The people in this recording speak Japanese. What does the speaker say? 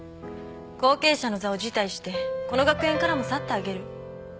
後継者の座を辞退してこの学園からも去ってあげる。